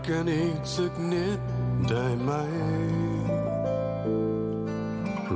คนไม่ใช่ซิกที่สุดโรคยาหยุดสดสุด